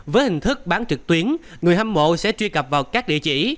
với hình thức bán trực tuyến người hâm mộ sẽ truy cập vào các địa chỉ